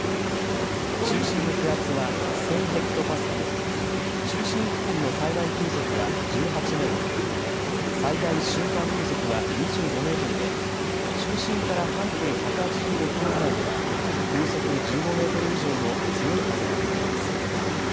中心の気圧は１０００ヘクトパスカル、中心付近の最大風速は１８メートル、最大瞬間風速は２５メートルで中心から半径１８５キロ以内では風速１５メートル以上の強い風が吹いています。